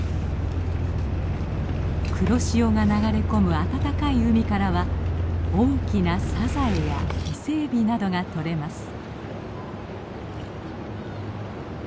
黒潮が流れ込む暖かい海からは大きなサザエやイセエビなどが取れます。